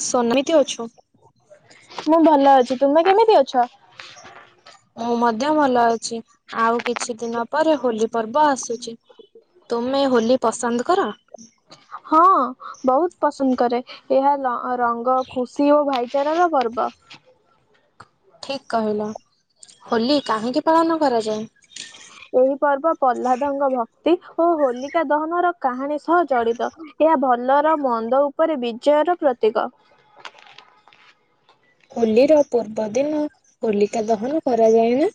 ସନ ମିତି ଅଛୁ। ମୁଁ ଭଲ ଅଛି ତୁମେ କେମିତି ଅଛ। ମୁଁ ମଧ୍ୟ ଭଲ ଅଛି ଆଉ କିଛି ଦିନ ପରେ ହୋଲି ପର୍ବ ଆସୁଛି। ତୁମେ ହୋଲି ପସନ୍ଦ କର। ହଁ ବହୁତ ପସନ୍ଦ କରେ ଏହା ର ରଙ୍ଗ ଖୁସି ଓ ଭାଇଚାରା ର ପର୍ବ। ହ ଠିକ୍ କହିଲ ହୋଲି କାହିଁକି ପାଳନ କରାଯାଏ। ତି ଓ ହୋଲିକା ଦହନ ର କାହାଣୀ ସହ ଜଡିତ ଏହା ଭଲର ମନ୍ଦ ଉପରେ ବିଜୟ। ୟ ର ପ୍ରତୀକ। ହୋଲିର ପୂର୍ବ ଦିନ ହୋଲିକା ଦହନ କରାଯାଏ ନା।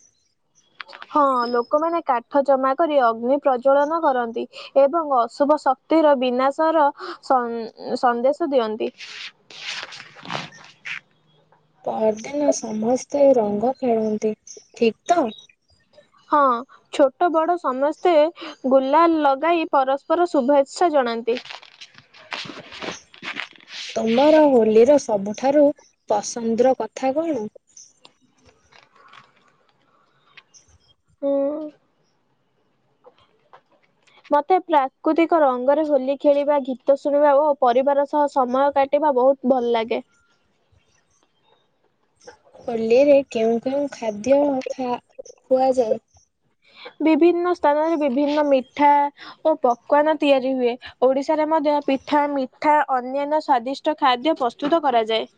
ଫଜନା କରି ଅଗ୍ନି ପ୍ରଜ୍ଵଳନ କରନ୍ତି ଏବଂ ଅଶୁଭ ଶକ୍ତିର ବିନାଶର। ସନ ସନ୍ଦେଶ ଦିଅନ୍ତି। ପରଦିନ ସମସ୍ତେ ରଙ୍ଗ ଖେଳନ୍ତି ଠିକ ତ। ହଁ ଛୋଟ ବଡ ସମସ୍ତେ ଗୁଲାଲ ଲଗାଇ ପରସ୍ପର ଶୁଭେଚ୍ଛା। ଜଣାନ୍ତି। ତମର। ହୋଲି ର ସବୁଠାରୁ ପସନ୍ଦ ର କଥା କଣ। ହୁଁ। ମତେ ପ୍ରାକୃତିକ ରଙ୍ଗରେ ହୋଲି ଖେଳିବା ଗୀତ ଶୁଣିବା ଓ ପରିବାର ସହ ସମୟ କାଟି ବା ବହୁତ ଭଲ ଲାଗେ। ହଲିରେ କେଉଁ କେଉଁ ଖାଦ୍ୟ ଖା ଖୁଆ ଯାଏ। ବିଭିନ୍ନ ସ୍ଥାନରେ ବିଭିନ୍ନ ମିଠା ଓ ପକୱାନ ତିଆରି ହୁଏ ଓଡିଶାରେ ମ ଧ୍ୟ ପିଠା ମିଠା ଅନ୍ୟାନ୍ୟ ସ୍ୱାଦିଷ୍ଟ ଖାଦ୍ୟ ପ୍ରସ୍ତୁତ କରାଯାଏ।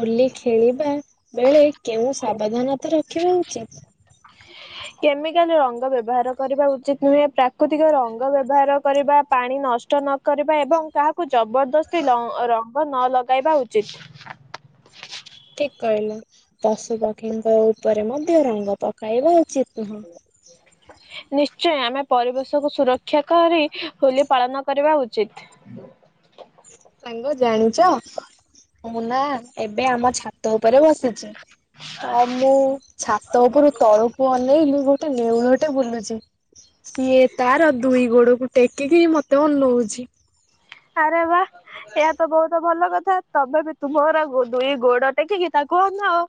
ହୋଲି ଖେଳିବା ବେଳେ କେଉଁ ସାବଧାନତା ରଖିବା ଉଚିତ। ହ କେମିକାଲ ରଙ୍ଗ ବ୍ୟବହାର କରିବା ଉଚିତ ନୁହେଁ ପ୍ରାକୃତିକ ରଙ୍ଗ ବ୍ୟବହାର କରିବା ପାଣି ନଷ୍ ନଷ୍ଟ ନ କରିବା ଏବଂ କାହାକୁ ଜବରଦସ୍ତି ଲ ରଙ୍ଗ ନ ଲଗାଇବା ଉଚିତ। ହ ଠିକ କହିଲୁ ପଶୁ ପକ୍ଷୀଙ୍କ ଉପରେ ମଧ୍ୟ ରଙ୍ଗ ପକାଇବା ଉଚିତ। ନୁହଁ। ନିଶ୍ଚୟ ଆମେ ପରିବେଶକୁ ସୁରକ୍ଷା କରି ହୋଲି ପାଳନ କରିବା ଉଚିତ। ସାଙ୍ଗ ଜାଣିଛ ମୁଁ ନା ଏବେ ଆମ ଛାତ ଉପରେ ବସିଛି। ତ ମୁଁ ଛାତ ଉପରୁ ତଳକୁ ଅନେଇଲି ଗୋଟେ ନେଉଳଟେ ବୁଲୁଛି। ସିଏ ତାର ଦୁଇ ଗୋଡକୁ ଟେକିକି ମତେ ଅନଉଛି। ଆରେ ୱା। ଏହା ତ ବହୁତ ଭଲ କଥା ତମେ ବି ତୁମର ଗୋ ଦୁଇ ଗୋଡ ଟେକିକି ତାକୁ ଅନାଅ।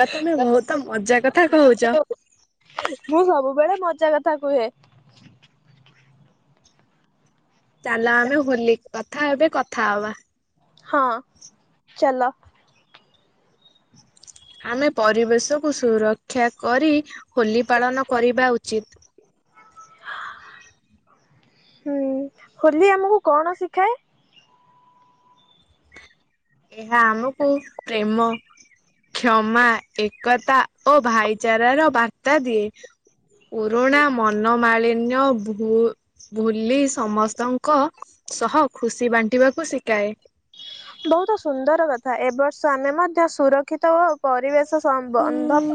ଗ ତୁମେ ବହୁତ ମଜା କଥା କହୁଛ। ମୁଁ ସବୁବେଳେ ମଜା କଥା କୁହେ। ଚାଲ ଆମେ ହୋଲି କଥା ହେବେ କଥା ହବା ହଁ ଚାଲ। [inaudible] ଆମେ ପରିବେଶକୁୁ ସୁରକ୍ଷା କରି ହୋଲି ପାଳନ କରିବା ଉଚିତ। [inaudible] ହୁଁ ହୋଲି ଆମକୁ କଣ ଶିଖାଏ? ଏହା ଆମକୁ ପ୍ରେମ କ୍ଷମା ଏକତା ଓ ଭାଇଚାରାର ବାର୍ତ୍ତା ଦିଏ। ପୁରୁଣା ମନମାଳିନ୍ୟ ଭୁ ଭୁଲି ସମସ୍ତଙ୍କ ସହ ଖୁସି ବାଣ୍ଟିବାକୁ ଶିକାଏ। ବହୁତ ସୁନ୍ଦର କଥା ଏବର୍ଷ ଆମେ ମଧ୍ୟ ସୁରକ୍ଷିତ ଓ ପରିବେଶ ସ [unintelligible] ମ୍ବନ୍ଧ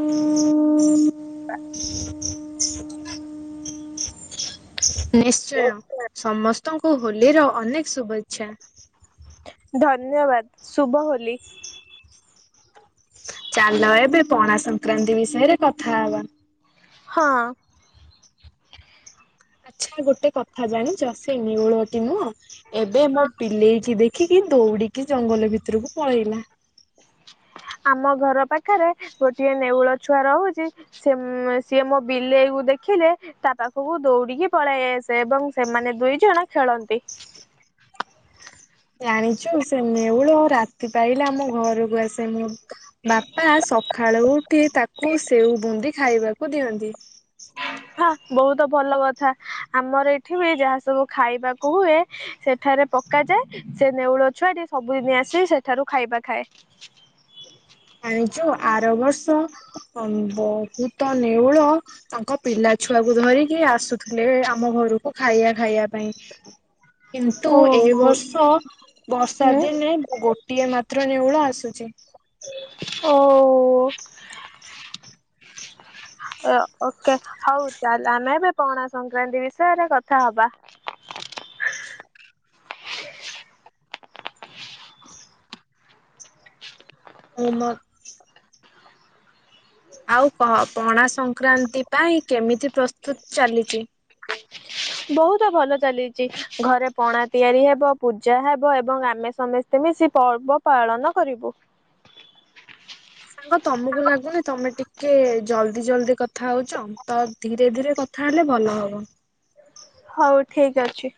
ନିଶ୍ଚୟ ସମସ୍ତଙ୍କୁ ହୋଲିର ଅନେକ ଶୁଭେଚ୍ଛା। ଧନ୍ୟବାଦ ଶୁଭ ହୋଲି। ଚାଲ ଏବେ ପଣା ସଂକ୍ରାନ୍ତି ବିଷୟରେ କଥା ହବା। ହଁ ଆଚ୍ଛା ଗୋଟେ କଥା ଜାଣିଚ ସେ ନେଉଳଟି ନୁହଁ ଏବେ ମୋ ହଁ ପିଲେଇକି ଦେଖି କି ଦୌଡିକି ଜଙ୍ଗଲ ଭିତରକୁ ପଳେଇଲା। ଆମ ଘର ପାଖରେ ଗୋଟିଏ ନେଉଳ ଛୁଆ ରହୁଛି ସେ ସିଏ ମୋ ବିଲେଇକୁ ଦେଖି ଦେଖିଲେ ତା ପାଖକୁ ଦୌଡିକି ପଳାଇ ଆସେ ଏବଂ ସେମାନେ ଦୁଇ ଜଣ ଖେଳନ୍ତି। [inaudible] ଜାଣିଚୁ ସେ ନେଉଳ ରାତି ପାଇଲେ ଆମ ଘରକୁ ଆସେ ସେ ମୋ ବାପା ସକାଳ ଉଠି ତାକୁ ସେଉ ବୁନ୍ଦି ଖାଇବା କୁ ଦିଅନ୍ତି। କଥା ବହୁତ ଭଲ କଥା ଆମର ଏଠି ବି ଯାହା ସବୁ ଖାଇବାକୁ ହୁଏ ସେଠାରେ ପ ପକାଯାଏ ସେ ନେଉଳ ଛୁଆଟି ସବୁଦିନ ଆସି ସେଠାରୁ ଖାଇବା ଖାଏ। ଆଣିଚୁ ଆର ବର୍ଷ ବହୁତ ନେଉଳ ତାଙ୍କ ପିଲା ଛୁଆକୁ ଧରିକି ଆସୁଥିଲେ ଆମ ଘରକୁ ଖାଇବା ଖାଇବା ପାଇଁ। କିନ୍ତୁ ଏ ଓହୋ। ବର୍ଷ ବର୍ଷା ହୁଁ ଦିନେ ଗୋଟିଏ ମାତ୍ର ନେଉଳ ଆସୁଛି। ହୋ ଓ ଓ ଓକେ ହଉ ଚାଲ ଆମେ ଏବେ ପଣା ସଂକ୍ରାନ୍ତି ବିଷୟରେ କଥା ହବା। [inaudible] ମୁଁ ମ ଆଉ କହ ପଣା ସଂକ୍ରାନ୍ତି ପାଇଁ କେମିତି ପ୍ରସ୍ତୁତ ଚାଲିଚି? [unintelligible] ବହୁତ ଭଲ ଚାଲିଚି ଘରେ ପଣା ତିଆରି ହେବ ପୂଜା ହେବ ଏବଂ ଆମେ ସମସ୍ତେ ମିଶି ପର୍ବ ପାଳନ କରିବୁ। ସାଙ୍ଗ ତମକୁ ଲାଗୁନି ତମେ ଟିକେ ଜଲଦି ଜଲଦି କଥା ହଉଚ? ତ ଧୀରେ ଧୀରେ କଥା ଥାହେଲେ ଭଲ ହବ। ହଉ ଠିକ ଅଛି।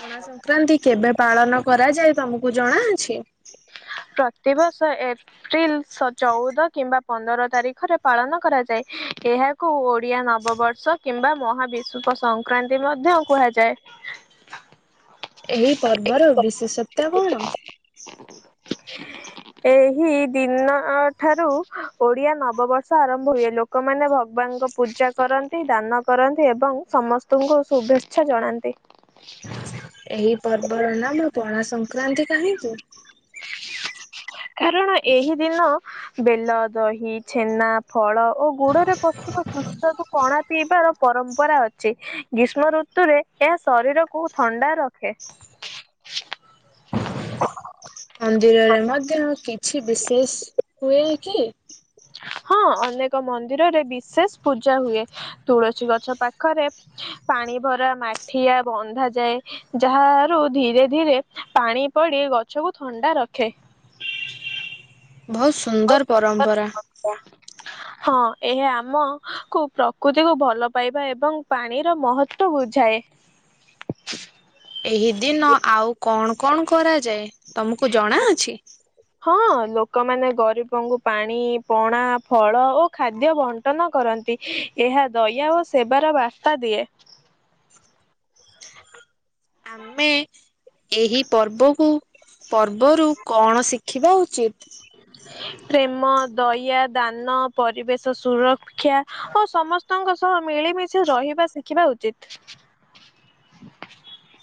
ପଣା ସଂକ୍ରାନ୍ତି କେବେ ପାଳନ କରାଯାଏ ତମକୁ ଜଣା ଅଛି? ପ୍ରତିିବଷ ଏ ଏପ୍ରିଲ ସ ଚଉଦ କିମ୍ବା ପନ୍ଦର ତାରିଖରେ ପାଳନ କରାଯାଏ। ଏହାକୁ ଓ ଡିଆ ନବବର୍ଷ କିମ୍ବା ମହାବିଶୁବ ସଂକ୍ରାନ୍ତି ମଧ୍ୟ କୁହାଯାଏ। ଏହି ପର୍ବର ବିଶେଷତା କଣ? [inaudible] ଏହି ଦିନ ଠାରୁ ଓଡିଆ ନବବର୍ଷ ଆରମ୍ଭ ହୁଏ। ଲୋକମାନେ ଭଗବା ନଙ୍କ ପୂଜା କରନ୍ତି ଦାନ କରନ୍ତି ଏବଂ ସମସ୍ତଙ୍କୁ ଶୁଭେଚ୍ଛା ଜଣାନ୍ତି। ଏହି ପର୍ବର ନାମ ପଣା ସଂକ୍ରାନ୍ତି କାହିଁକି? କାରଣ ଏହି ଦିନ ବେଲ, ଦହି, ଛେନା, ଫଳ ଓ ଗୁଡରେ ପସ୍ତୁ ଓ ପୁସ୍ତକୁ ପଣା ପିଇବାର ପରମ୍ପରା ଅଛି ଗୀଷ୍ମ ଋତୁରେ ଏହା ଶରୀରକୁ ଥଣ୍ଡା ରଖେ। ମନ୍ଦିରରେ ମଧ୍ୟ କିଛି ବିଶେଷ ହୁଏ କି? ହଁ ଅନେକ ମନ୍ଦିରରେ ବିଶେଷ ପୂଜା ହୁଏ, ତୁଳସୀ ଗଛ ପାଖରେ ପାଣି ଭରା ମାଠିଆ ବନ୍ଧାଯାଏ ଯାହା ହାରୁ ଧୀରେ ଧୀରେ ପାଣି ପଡି ଏ ଗଛକୁ ଥଣ୍ଡା ରଖେ। ବୋହୁତ ସୁନ୍ଦର ପରମ୍ପରା। ଓ ହଁ ଏହା ଆମକୁୁ ପ୍ରକୃତିକୁୁ ଭଲ ପାଇବା ଏବଂ ପାଣିର ମହତ୍ଵ ବୁଝା ଥାଏ। ଏହି ଦିନ ଆଉ କଣ କଣ କରାଯାଏ ତମୁକୁ ଜଣାଅଛି? ହଁ ଲୋକମାନେ ଗରିବଙ୍କୁ ପାଣି ପଣା ଫଳ ଓ ଖାଦ୍ୟ ବଣ୍ଟନ କରନ୍ ଏହା ଦୟା ଓ ସେବାର ବାର୍ତ୍ତା ଦିଏ। ଆମେ ଏହି ପର୍ବକୁ ପର୍ବରୁ କଣ ଶିଖିବା ଉଚିତ? ପ୍ରେମ, ଦୟା, ଦାନ, ପରିବେଶ ସୁରକ୍ଷା ଓ ସମସ୍ତଙ୍କ ସ ହଁ ମିଳିମିଶି ରହିବା ଶିଖିବା ଉଚିତ।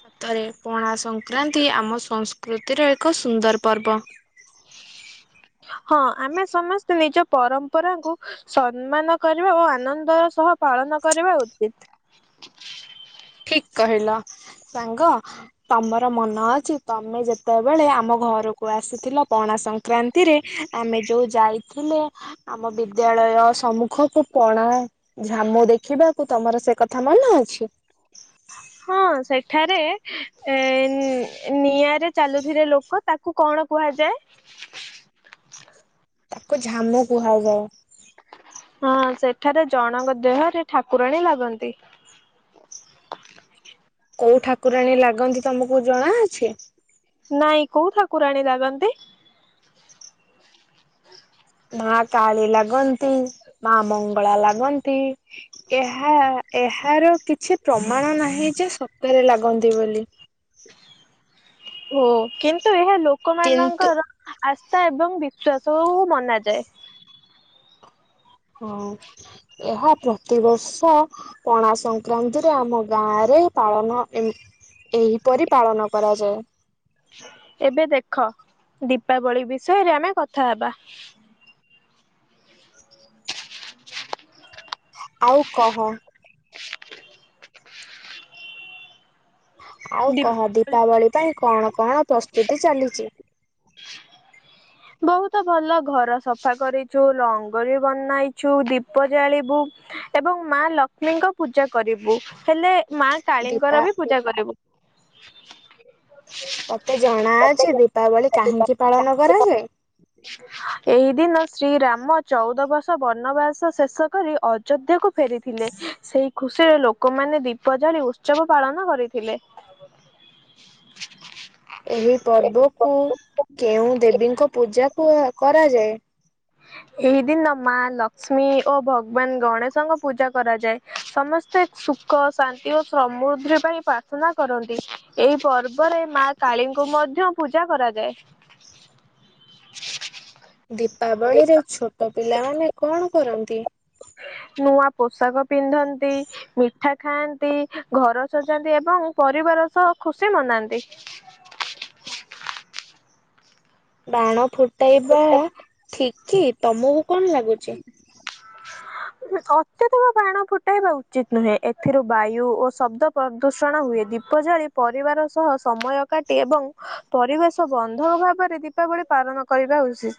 ସତରେ ପଣା ସଂକ୍ରାନ୍ତି ଆମ ସଂସ୍କୃତିର ଏକ ସୁନ୍ଦର ପର୍ବ। ହଁ ଆମେ ସମସ୍ତେ ନିଜ ପରମ୍ପରାଙ୍କୁ ସମ୍ମାନ କରିବା ଓ ଆନନ୍ଦର ସ ଏହା ପାଳନ କରିବା ଉଚିତ। ଠିକ କହିଲ ସାଙ୍ଗ ତମର ମନ ଅଛି ତମେ ଯେତେବେଳେ ଆମ ଘରକୁ ଆସିଥିଲ ପଣା ସଂକ୍ରାନ୍ତିରେ ଆମେ ଯୋଉ ଯାଇଥିଲେ ଆମ ବିଦ୍ୟାଳୟ ଏଅ ସମ୍ମୁଖକୁ ପଣା ଝାମୁ ଦେଖିବାକୁ ତମର ସେ କଥା ମନେ ଅଛି? ହଁ ସେଠାରେ ଏ ନି ନିଆଁରେ ଚାଲୁଥିଲେ ଲୋକ ତାକୁ କଣ କୁହା ହାଯାଏ ତାକୁ ଝାମୁ କୁହାଯାଏ। ହଁ ସେଠାରେ ଜଣଙ୍କ ଦେହରେ ଠାକୁରାଣୀ ଲାଗନ୍ତି। [inaudible] କୋଉ ଠାକୁରାଣୀ ଲାଗନ୍ତି ତମକୁ ଜଣାଅଛି? ନାଇଁ କୋଉ ଠାକୁରାଣୀ ଲାଗନ୍ତି? ମା କାଳୀ ଲାଗନ୍ତି, ମା ମଙ୍ଗଳା ଲାଗନ୍ତି। ଏହା ଏହାର କିଛି ପ୍ରମାଣ ନାହିଁ ଯେସ୍ ସତରେ ଲାଗନ୍ତି ବୋଲି। ଓ କିନ୍ତୁ ଏହା କିନ୍ତୁ ଲୋକମାନଙ୍କର ଆସ୍ତା ଏବଂ ବିଶ୍ୱାସ ହିଁ ବନାଯାଏ। ହଁ ଏହା ପ୍ରତିବର୍ଷ ପଣା ସଂକ୍ରାନ୍ତିରେ ଆମ ଗାଁରେ ଏହି ପାଳନ ଏହି ଏହିପରି ପାଳନ କରାଯାଏ। ଏବେ ଦେଖ ଦୀପାବଳି ବିଷୟରେ ଆମେ କଥା ହେବା। ଆଉ କହ। ଆଉ କହ ଦୀପାବଳି ପାଇଁ କଣ କଣ ପ୍ରସ୍ତୁତି ଚାଲିଚି। [inaudible] ବୋହୁତ ଭଲ ଘର ସଫା କରିଛୁ, ରଙ୍ଗୋଲି ବନାଇଛୁ, ଦୀପ ଜାଳିବୁ। ଏବଂ ମା ଲକ୍ଷ୍ମୀଙ୍କ ପୂଜା କରିବୁ ହେଲେ ମା ଦୀପା କାଳୀଙ୍କର ବି ପୂଜା କରିବୁ। ତତେ ଜଣାଅଛି ଦୀପାବଳି କାହିଁକି ପାଳନ କରାଯାଏ? ଏହି ଦିନ ଶ୍ରୀରାମ ଚଉଦ ବର୍ଷ ବନବାସ ଶେଷ କରି ଅଯୋଧ୍ୟାକୁ ଫେରିଥିଲେ ସେଇ ଖୁସିରେ ଲୋକମାନେ ଦୀପ ଜାଳି ଉତ୍ସବ ପାଳନ କରିଥିଲେ। [inaudible] ଏହି ପର୍ବକୁ କେଉଁ ଦେବୀଙ୍କ ପୂଜା କ କରାଯାଏ? ଏହି ଦିନ ମା ଲଷ୍ମୀଙ୍କୁ ଓ ଭଗବାନ ଗଣେଶଙ୍କ ପୂଜା କରାଯାଏ ସମସ୍ତ ସୁଖ, ଶାନ୍ତି ଓ ସମୃଦ୍ଧି ପାଇଁ ପ୍ରାର୍ଥନା କରନ୍ତି ଏହି ପର୍ବ ପରେ ମା କାଳୀଙ୍କୁ ମଧ୍ୟ ପୂଜା କରାଯାଏ। ଦୀପାବଳିରେ ଛୋଟ ପିଲାମାନେ କଣ କରନ୍ତି? ନୂଆ ପୋଷାକ ପିନ୍ଧନ୍ତି, ମିଠା ଖାଆନ୍ତି, ଘର ସଜାନ୍ତି ଏବଂ ପରିବାର ର ସହ ଖୁସି ମନାନ୍ତି। ବାଣ ଫୁଟାଇବା ଠିକ କି ତମକୁ କଣ ଲାଗୁଛିି? ହ ଅତ୍ୟଧିକ ବାଣ ଫୁଟାଇବା ଉଚିତ ନୁହେଁ ଏଥିରୁ ବାୟୁ ଓ ଶବ୍ଦ ପ୍ରଦୂଷଣ ହୁଏ ଦି ଦୀପ ଜାଳି ପରିବାର ସହ ସମୟ କାଟି ଏବଂ ପରିବେଶ ବନ୍ଧ ଭାବରେ ଦୀପାବଳି ପାଳ ପାଳନ କରିବା ଉଚିତ।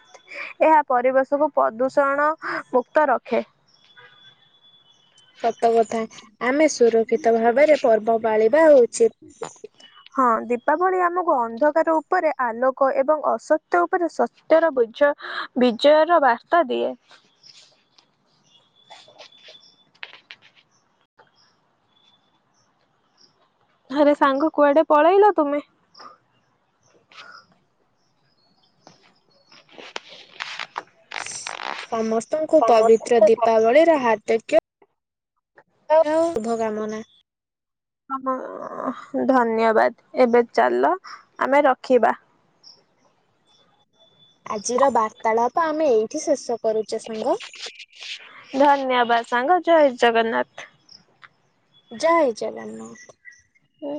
ଏହା ପରିବେଶକୁ ପ୍ରଦୂଷଣ ମୁ କ୍ତ ରଖେ। ସତକଥା ଆମେ ସୁରକ୍ଷିତ ଭାବରେ ପର୍ବ ପାଳିବା ଉଚିତ। ହଁ। ତା ଭଳି ଆମକୁ ଅନ୍ଧକାର ଉପରେ ଆଲୋକ ଏବଂ ଅସତ୍ୟ ଉପରେ ସତ୍ୟର ବୋଝ ବି ବିଜୟର ବାର୍ତ୍ତା ଦିଏ। ଆରେ ସାଙ୍ଗ କୁଆଡେ ପଳେଇଲ ତୁମେ? [inaudible] ସମସ୍ତଙ୍କୁ ସମସ୍ତେ ପବିତ୍ର ଦୀପାବଳିର ହାର୍ଦ୍ଧକ୍ୟ [unintelligible] ଧନ୍ୟବାଦ ଏବେ ଚାଲ ଆମେ ରଖିବା। ସେ ଆଜିର ବାର୍ତାଳାପ ଆମେ ଏଇଠି ଶେଷ କରୁଛେ ସାଙ୍ଗ ଧନ୍ୟବାଦ ସାଙ୍ଗ ଜୟ ଜଗନ୍ନାଥ। ଜୟ ଜଗନ୍ନାଥ। ହ